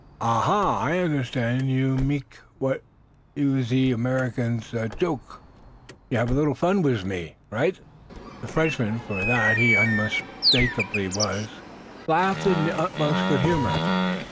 "Oh, ah! I understand. You mek what is call ze American joke, eh? You have little fun wiz me." The Frenchman, for that he unmistakably was, laughed in the utmost good humor.